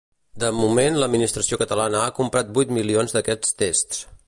De moment l’administració catalana ha comprat vuit milions d’aquests tests.